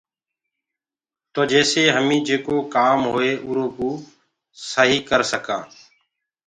تو جيسي هميٚ جيڪو ڪآم هوئي اُرو ڪوٚ سهيٚ ڪر سڪانٚ۔